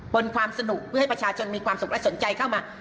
นความสนุกเพื่อให้ประชาชนมีความสุขและสนใจเข้ามา